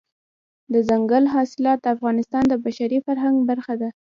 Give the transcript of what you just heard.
دځنګل حاصلات د افغانستان د بشري فرهنګ برخه ده.